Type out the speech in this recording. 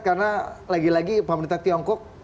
karena lagi lagi pemerintah tiongkok